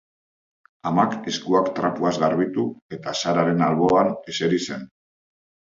Amak eskuak trapuaz garbitu, eta Sararen alboan eseri zen.